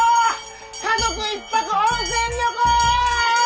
家族一泊温泉旅行！